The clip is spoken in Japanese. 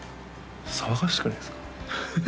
騒がしくないですか？